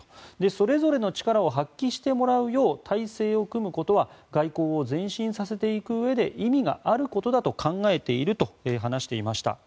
それぞれの力を発揮してもらうよう体制を組むことは外交を前進させていくうえで意味があることだと考えていると話していました。